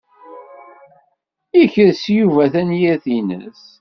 Yekres Yuba tanyirt-nnes.